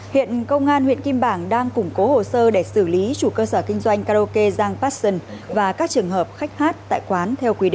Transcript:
hiện công an huyện kim bảng đang củng cố hồ sơ để xử lý chủ cơ sở kinh doanh karaoke giang passion và các trường hợp khách hát tại quán theo quy định